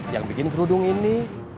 yang bikin kerudung ini